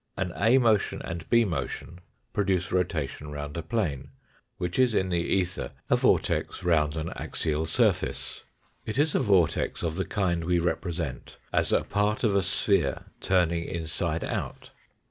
An A motion and B motion produce rotation round a plane, which is in the ether a vortex round an axial surface. It is a vortex of the kind we represent as a part of a sphere turning inside out.